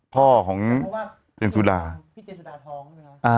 พ่อของเจนสุดาเพราะว่าพี่เจนสุดาท้องใช่ไหม